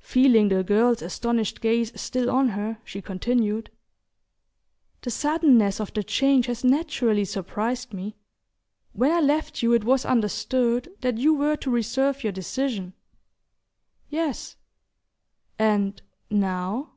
Feeling the girl's astonished gaze still on her, she continued: "The suddenness of the change has naturally surprised me. When I left you it was understood that you were to reserve your decision " "Yes." "And now